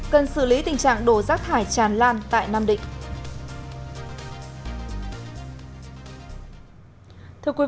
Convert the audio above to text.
cần xử lý tình trạng đổ rác thải tràn lan tại nam định